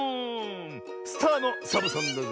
スターのサボさんだぜえ。